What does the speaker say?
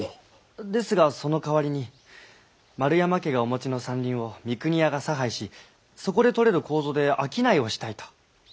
ですがその代わりに丸山家がお持ちの山林を三国屋が差配しそこで採れる楮で商いをしたいと。